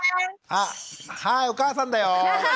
はいお母さんだよ。